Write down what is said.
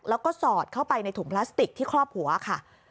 แล้วก็สอดเข้าไปในถุงพลาสติกที่ครอบหัวค่ะ